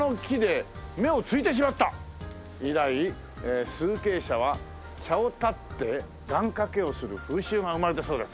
以来崇敬者は茶を断って願掛けをする風習が生まれたそうです。